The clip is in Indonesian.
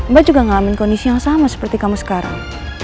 mbak juga ngalamin kondisi yang sama seperti kamu sekarang